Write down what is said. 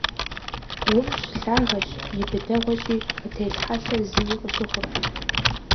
Гъумщ, лъагэщ, и быдэгъуэщи, къытелъ хьэлъэр зыуи къыщыхъуркъым.